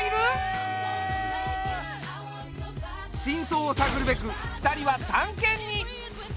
真相を探るべく２人は探検に！